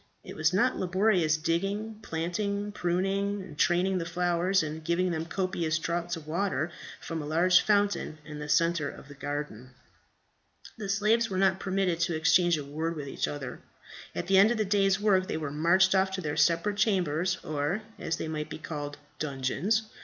It was not laborious digging, planting, pruning and training the flowers, and giving them copious draughts of water from a large fountain in the centre of the garden. The slaves were not permitted to exchange a word with each other. At the end of the day's work they were marched off to separate chambers, or, as they might be called, dungeons.